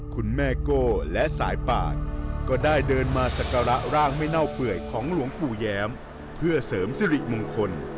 คุณแม่โก้และสายป่านก็ได้เดินมาสักการะร่างไม่เน่าเปื่อยของหลวงปู่แย้มเพื่อเสริมสิริมงคล